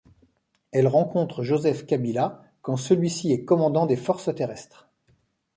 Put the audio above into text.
Elle rencontre Joseph Kabila quand celui-ci est commandant des forces terrestres.